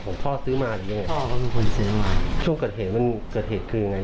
พ่อซื้อมาหรือยังไงพ่อเขาเป็นคนซื้อมาช่วงเกิดเหตุมันเกิดเหตุคือยังไง